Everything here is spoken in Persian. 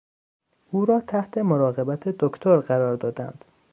او را تحت مراقبت دکتر قرار دادند.